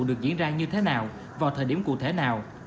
được diễn ra như thế nào vào thời điểm cụ thể nào